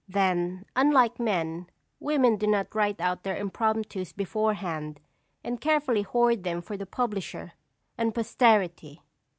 Then, unlike men, women do not write out their impromptus beforehand and carefully hoard them for the publisher and posterity!